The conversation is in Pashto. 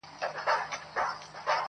چي سمسور افغانستان لیدلای نه سي,